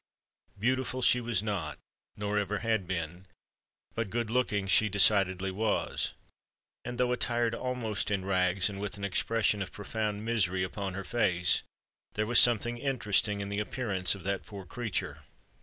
Beautiful she was not, nor ever had been; but good looking she decidedly was;—and though attired almost in rags, and with an expression of profound misery upon her face, there was something interesting in the appearance of that poor creature.